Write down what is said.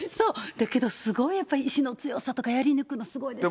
だけどやっぱり意思の強さとか、やり抜くのすごいですね。